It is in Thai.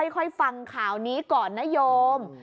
ฟังข่าวนี้ก่อนนโยม